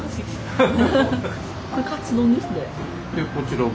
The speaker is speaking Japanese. こちらが。